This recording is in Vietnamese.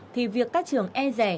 thì việc các trường e rẻ